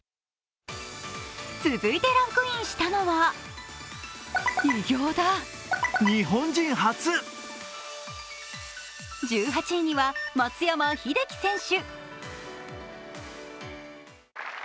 続いてランクインしたのは１８位には松山英樹選手。